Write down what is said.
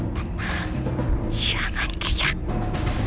tenang jangan kiriak